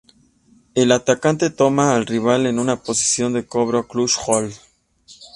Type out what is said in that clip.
El atacante toma al rival en una posición de Cobra Clutch Hold.